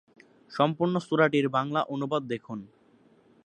সম্পূর্ণ সূরাটির বাংলা অনুবাদ দেখুন।